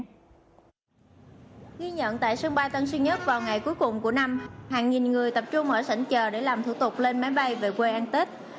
ghi nhận tại sân bay tân sơn nhất vào ngày cuối cùng của năm hàng nghìn người tập trung ở sảnh chờ để làm thủ tục lên máy bay về quê ăn tết